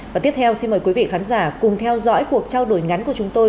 và tiếp theo xin mời quý vị khán giả cùng theo dõi cuộc trao đổi ngắn của chúng tôi